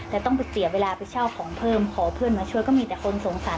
แล้วต้องไปเสียเวลาไปเช่าของเพิ่มขอเพื่อนมาช่วยก็มีแต่คนสงสาร